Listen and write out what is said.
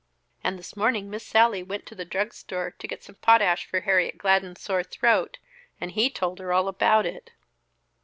"And this morning Miss Sallie went to the drugstore to get some potash for Harriet Gladden's sore throat, and he told her all about it."